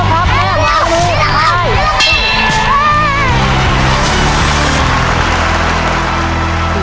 แม่